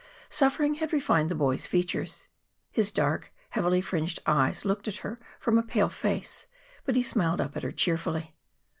Suffering had refined the boy's features. His dark, heavily fringed eyes looked at her from a pale face. But he smiled up at her cheerfully.